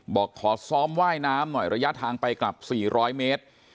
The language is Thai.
บอกขอซ้อมว่ายน้ำหน่อยระยะทางไปกลับ๔๐๐เมตร